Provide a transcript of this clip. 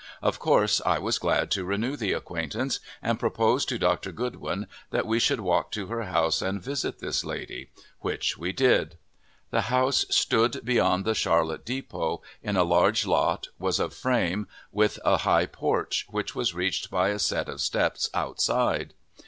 Of course, I was glad to renew the acquaintance, and proposed to Dr. Goodwin that we should walk to her house and visit this lady, which we did. The house stood beyond the Charlotte depot, in a large lot, was of frame, with a high porch, which was reached by a set of steps outside.